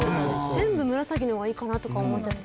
全部紫の方がいいかなとか思っちゃってたので。